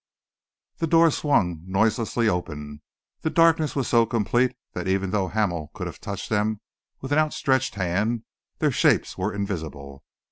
The door swung noiselessly open. The darkness was so complete that even though Hamel could have touched them with an outstretched hand, their shapes were invisible.